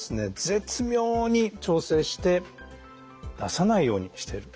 絶妙に調整して出さないようにしてる。